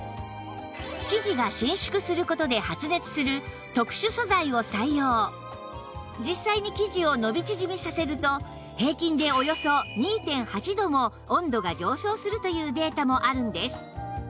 生地が実際に生地を伸び縮みさせると平均でおよそ ２．８ 度も温度が上昇するというデータもあるんです